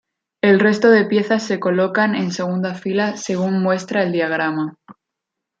El resto de piezas se colocan en segunda fila según muestra el diagrama.